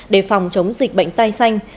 để phòng chống dịch bệnh tai xanh